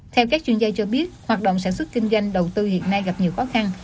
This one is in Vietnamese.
theo các chuyên gia cho biết hoạt động sản xuất kinh doanh đầu tư hiện nay gặp nhiều khó khăn